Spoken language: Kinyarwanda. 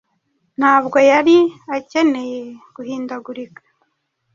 Ntabwo yari akeneye guhindagurika